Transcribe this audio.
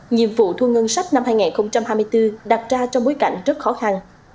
nhiệm vụ thu ngân sách năm hai nghìn hai mươi bốn đặt ra trong bối cảnh rất khó khăn